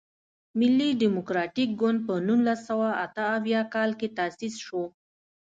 ملي ډیموکراتیک ګوند په نولس سوه اته اویا کال کې تاسیس شو.